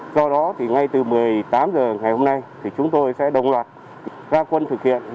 do đó ngay từ một mươi tám h ngày hôm nay chúng tôi sẽ đồng loạt gia quân thực hiện